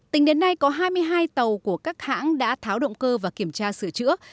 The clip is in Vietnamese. tính đến nay có hai mươi hai tàu của các hãng đã tháo động cơ và kiểm tra sửa chữa